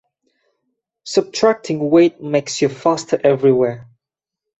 Subtracting weight makes you faster everywhere.